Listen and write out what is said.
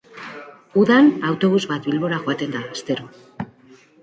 Udan autobus bat Bilbora joaten da astero.